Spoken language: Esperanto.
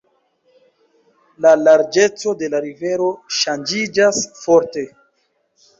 La larĝeco de la rivero ŝanĝiĝas forte.